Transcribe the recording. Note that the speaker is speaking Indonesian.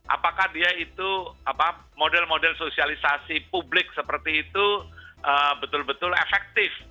apakah dia itu model model sosialisasi publik seperti itu betul betul efektif